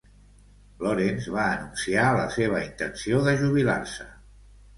Lawrence va anunciar la seva intenció de jubilar-se.